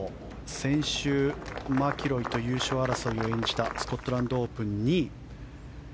先週、マキロイと優勝争いを演じたスコットランドオープン２位。